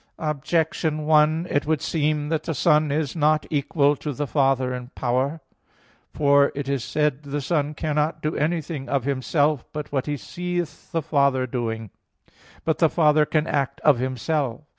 Objection 1: It would seem that the Son is not equal to the Father in power. For it is said (John 5:19): "The Son cannot do anything of Himself but what He seeth the Father doing." But the Father can act of Himself.